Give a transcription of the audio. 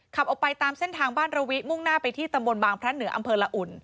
ขับออกไปตามเส้นทางบ้านระวิมุ่งหน้าไปที่ตำบลบางพระเหนืออำเภอละอุ่น